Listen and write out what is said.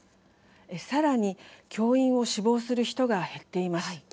さらに、教員を志望する人が減っています。